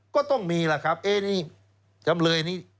ก็ต้องมีล่ะครับจำเลยนี่